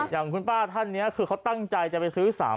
อย่างคุณป้าท่านนี้คือเขาตั้งใจจะไปซื้อ๓๐